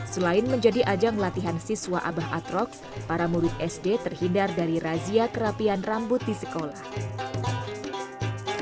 selain menjadi ajang latihan siswa abah atrok para murid sd terhindar dari razia kerapian rambut di sekolah